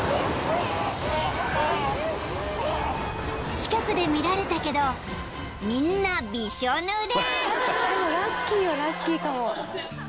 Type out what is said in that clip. ［近くで見られたけどみんなびしょぬれ］